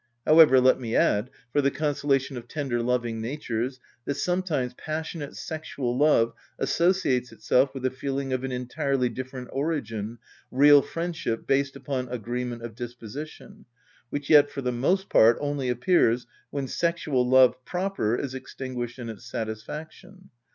However, let me add, for the consolation of tender, loving natures, that sometimes passionate sexual love associates itself with a feeling of an entirely different origin—real friendship based upon agreement of disposition, which yet for the most part only appears when sexual love proper is extinguished in its satisfaction.